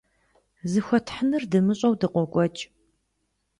Зыхуэтхьынур дымыщӀэу дыкъокӀуэкӀ.